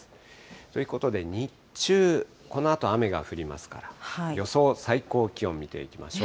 ということで、日中、このあと雨が降りますから、予想最高気温見ていきましょう。